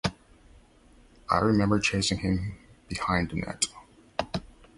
I remember chasing him behind the net.